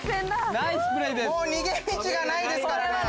ナイ逃げ道がないですからね。